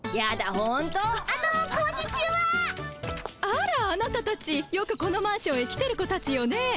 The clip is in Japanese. あらあなたたちよくこのマンションへ来てる子たちよね？